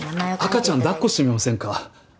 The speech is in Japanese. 赤ちゃん抱っこしてみませんか？